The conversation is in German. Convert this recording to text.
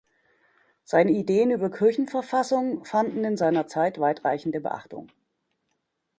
Seine Ideen über Kirchenverfassung, fanden in seiner Zeit weitreichende Beachtung.